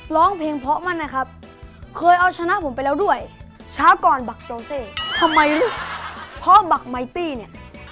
ท้องขยายขึ้นมา